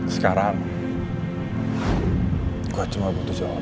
sekarang gue cuma butuh jawaban